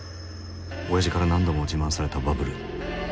おやじから何度も自慢されたバブル。